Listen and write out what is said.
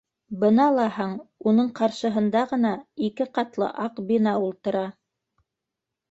Бына лаһаң уның ҡаршыһында ғына ике ҡатлы аҡ бина ултыра.